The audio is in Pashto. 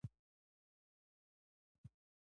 د تاجکو ډيموکراتيکه نمايندګي په زور برمته کړې ده.